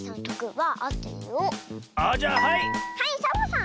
はいサボさん！